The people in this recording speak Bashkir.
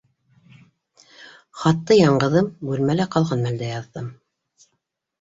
Хатты яңғыҙым бүлмәлә ҡалған мәлдә яҙҙым.